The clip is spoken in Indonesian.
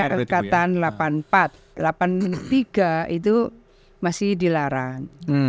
angkatan delapan puluh empat delapan puluh tiga itu masih dilarang